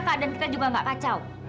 keadaan kita juga nggak kacau